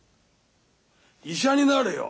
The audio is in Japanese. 医者になれよ。